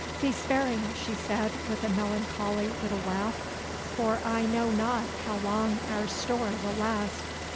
"Be sparing," she said with a melancholy little laugh, "for I know not how long our store will last.